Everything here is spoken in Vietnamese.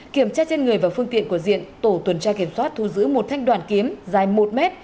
kiểm tra trên người và phương tiện của diện tổ tuần tra kiểm soát thu giữ một thanh đoàn kiếm dài một m